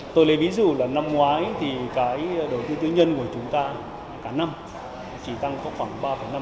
tôi lấy ví dụ là năm ngoái thì cái đầu tư tư nhân của chúng ta cả năm chỉ tăng có khoảng ba năm